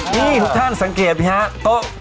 นี่ทุกท่านสังเกตนะครับ